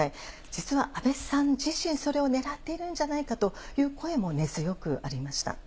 実は安倍さん自身、それをねらっているんじゃないかという声も根強くありました。